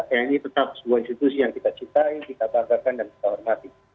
tni tetap sebuah institusi yang kita cipta kita terhargakan dan kita hormati